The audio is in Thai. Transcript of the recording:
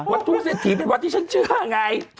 วัดทู่เศรษฐีเป็นวัดที่ฉันเชื่อมายังไง